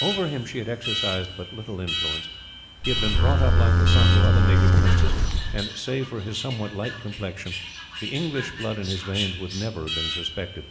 Over him she had exercised but little influence. He had been brought up like the sons of other native princes, and, save for his somewhat light complexion, the English blood in his veins would never have been suspected.